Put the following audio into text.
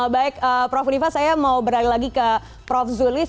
baik prof univa saya mau berlari lagi ke prof julis